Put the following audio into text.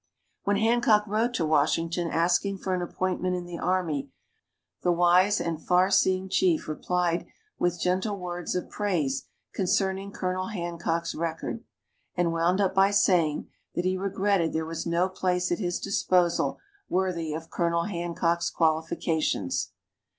When Hancock wrote to Washington asking for an appointment in the army, the wise and farseeing chief replied with gentle words of praise concerning Colonel Hancock's record, and wound up by saying that he regretted there was no place at his disposal worthy of Colonel Hancock's qualifications.